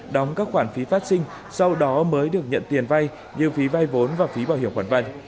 đóng các khoản phí phát sinh sau đó mới được nhận tiền vay như phí vay vốn và phí bảo hiểm khoản vay